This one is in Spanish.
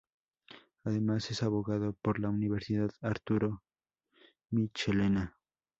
Además es abogado por la Universidad Arturo Michelena.